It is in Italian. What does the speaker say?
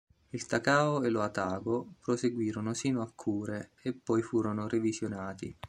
Il "Takao" e lo "Atago" proseguirono sino a Kure e qui furono revisionati.